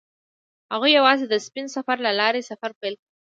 هغوی یوځای د سپین سفر له لارې سفر پیل کړ.